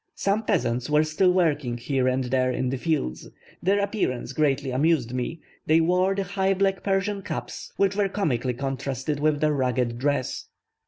Some peasants were still working here and there in the fields, their appearance greatly amused me: they wore the high black Persian caps, which were comically contrasted with their ragged dress.